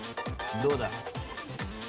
どうだ？